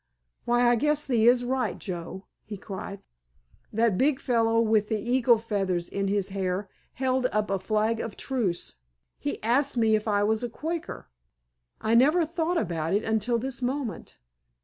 "Why, I guess thee is right, Joe," he cried. "That big fellow with the eagle feathers in his hair held up a flag of truce. He asked me if I was a Quaker! I never thought about it until this moment.